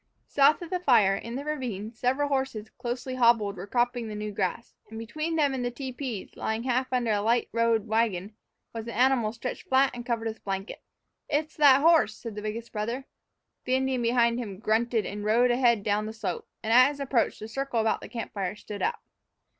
South of the fire, in the ravine, several horses, closely hobbled, were cropping the new grass; and between them and the tepees, lying half under a light road wagon, was an animal stretched flat and covered with blankets. "It's that horse," said the biggest brother. The Indian behind him grunted and rode ahead down the slope, and, at his approach, the circle about the camp fire stood up.